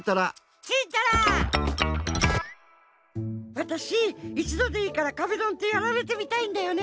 わたしいちどでいいから壁ドンってやられてみたいんだよね。